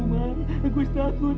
mas aku takut